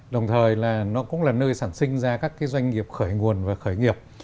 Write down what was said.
đồng thời nó cũng là nơi sản sinh ra các doanh nghiệp khởi nguồn và khởi nghiệp